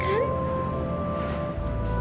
kava tidak boleh sakit